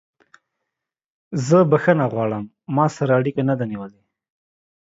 زه بخښنه غواړم ما سره اړیکه نه ده نیولې.